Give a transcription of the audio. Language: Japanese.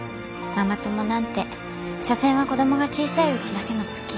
ママ友なんてしょせんは子供が小さいうちだけの付き合い。